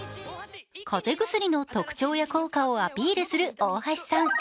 風邪薬の特徴や効果をアピールする大橋さん。